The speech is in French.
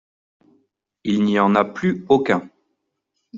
Il n’y en a plus aucun.